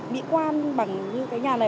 bị quan bằng như cái nhà này